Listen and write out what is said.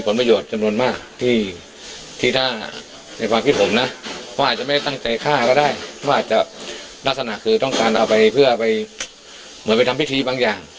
พออาจจะไม่ได้ตั้งใจฆ่าก็ได้ถ้าอาจจะลักษณะคือต้องการเอาไปเพื่อเอาไปเหมือนไปทำพิธีบางอย่าง